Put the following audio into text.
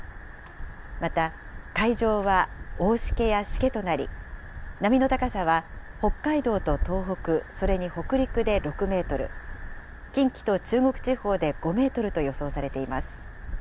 また海上は大しけやしけとなり、波の高さは北海道と東北、それに北陸で６メートル、近畿と中国地方で５メートルと予想されています。